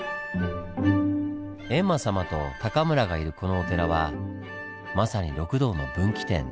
閻魔様と篁がいるこのお寺はまさに六道の分岐点